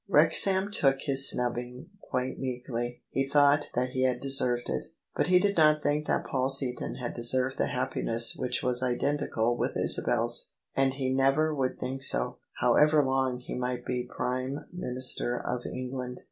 Wrexham took his snubbing quite meekly: he thought that he had deserved it. But he did not think that Paul Seaton had deserved the happiness which was identical with Isabel's; and he never would think so, however long he might be Prime Minister of England.